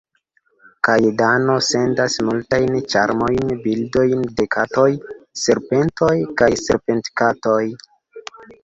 Kaj Dano sendas multajn ĉarmajn bildojn de katoj, serpentoj kaj serpentkatoj.